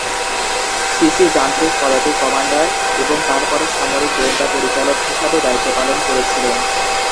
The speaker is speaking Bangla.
সিসি যান্ত্রিক পদাতিক কমান্ডার এবং তারপরে সামরিক গোয়েন্দা পরিচালক হিসাবে দায়িত্ব পালন করেছিলেন।